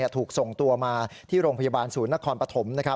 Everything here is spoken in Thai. ถูกส่งตัวมาที่โรงพยาบาลศูนย์นครปฐม